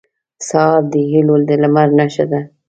سهار د هيلو د لمر نښه ده.